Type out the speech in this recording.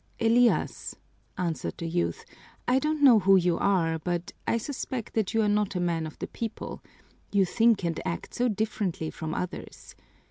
"Elias," answered the youth, "I don't know who you are, but I suspect that you are not a man of the people; you think and act so differently from others.